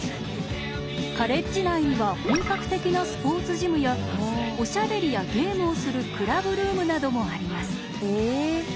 カレッジ内には本格的なスポーツジムやおしゃべりやゲームをするクラブルームなどもあります。